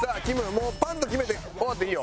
もうパンッと決めて終わっていいよ。